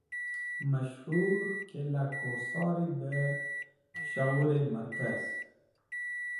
Mash Hur Qilai Kusori be Peshowure Markaz